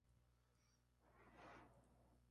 Hay dos tipos básicos de las cuotas de disco.